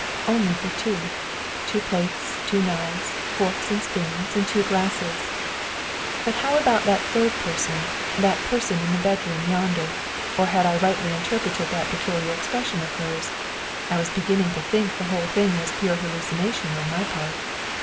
Only for two. Two plates, two knives, forks and spoons, and two glasses. But how about that third person, that person in the bedroom yonder? Or had I rightly interpreted that peculiar expression of hers? I was beginning to think the whole thing was pure hallucination on my part.